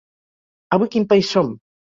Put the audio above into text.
Avui quin país som?